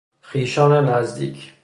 خویشان نزدیک